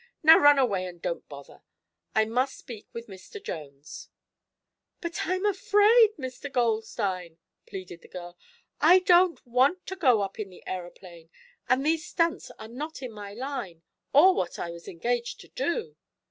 Now run away and don't bother. I must speak with Mr. Jones." "But I'm afraid, Mr. Goldstein!" pleaded the girl. "I don't want to go up in the aeroplane, and these stunts are not in my line, or what I was engaged to do."